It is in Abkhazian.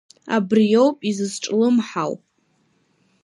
Абриоуп изызҿлымҳау.